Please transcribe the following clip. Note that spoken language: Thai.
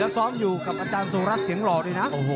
สอบอยู่กับอาจารย์สนับสู้เร็วครับ